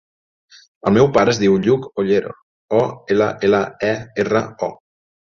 El meu pare es diu Lluc Ollero: o, ela, ela, e, erra, o.